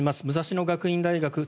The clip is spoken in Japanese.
武蔵野学院大学